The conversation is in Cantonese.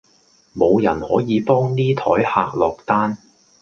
無人可以幫呢枱客落單